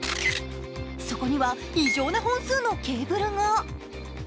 そこには異常な本数のケーブルが。